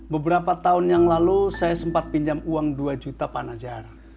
beberapa tahun yang lalu saya sempat pinjam uang dua juta pak najar